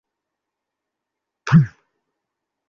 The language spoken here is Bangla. এটা বিয়ে, এটা কোন ডান্স প্রতিযোগিতা না!